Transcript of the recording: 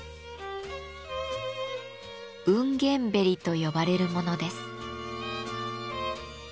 「繧繝縁」と呼ばれるものです。